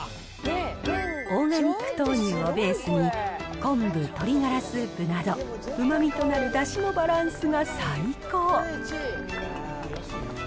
オーガニック豆乳をベースに、昆布、鶏がらスープなど、うまみとなるだしのバランスが最高。